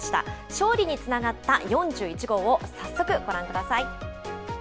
勝利につながった４１号を早速、ご覧ください。